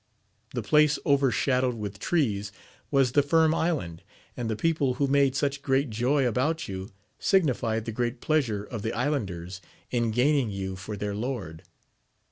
The place over shadowed with trees, was the Firm Island, and the people who made such great joy about you, signified the great pleasure of the islanders in gaining you for their lord.